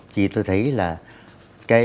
thì tôi thấy là